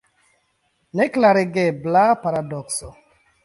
Neklarigebla paradokso!